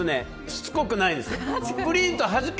しつこくないです。